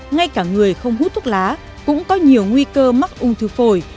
ngay cả người không hút thuốc lá cũng có nhiều nguy cơ mắc ung thư phổi